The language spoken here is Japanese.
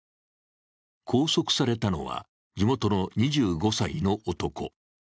拘束されたのは地元の２５歳の男。